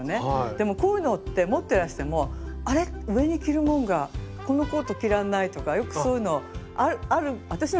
でもこういうのって持ってらしてもあれっ上に着るものがこのコート着られないとかよくそういうのある私なんかあるんですけど。